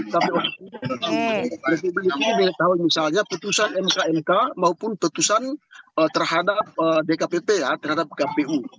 tapi pada kebaliknya bisa tahu misalnya putusan mk mk maupun putusan terhadap dkpt terhadap kpu